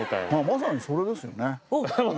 「まさにそれです」！？